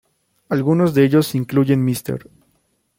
Algunos de ellos incluyen Mr.